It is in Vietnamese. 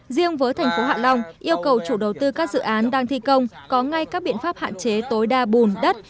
riêng với thành phố hạ long yêu cầu chủ đầu tư các dự án đang thi công có ngay các biện pháp hạn chế tối đa bùn đất